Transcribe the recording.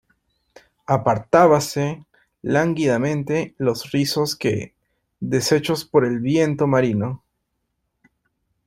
apartábase lánguidamente los rizos que, deshechos por el viento marino ,